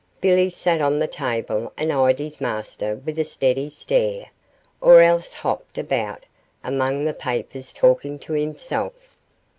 Billy sat on the table and eyed his master with a steady stare, or else hopped about among the papers talking to himself.